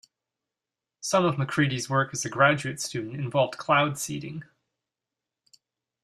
Some of MacCready's work as a graduate student involved cloud seeding.